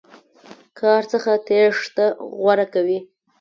کار څخه تېښته غوره کوي.